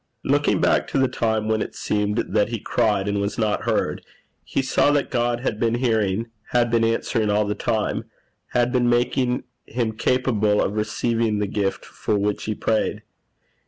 Looking back to the time when it seemed that he cried and was not heard, he saw that God had been hearing, had been answering, all the time; had been making him capable of receiving the gift for which he prayed.